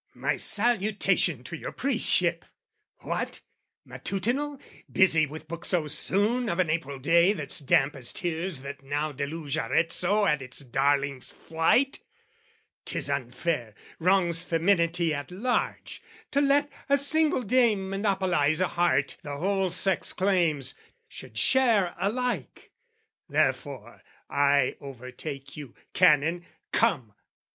"My salutation to your priestship! What? "Matutinal, busy with book so soon "Of an April day that's damp as tears that now "Deluge Arezzo at its darling's flight? "'Tis unfair, wrongs feminity at large, "To let a single dame monopolize "A heart the whole sex claims, should share alike: "Therefore I overtake you, Canon! Come!